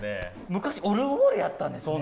昔オルゴールやったんですね。